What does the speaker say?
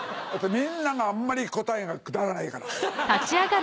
みんながあんまり答えがくだらないから。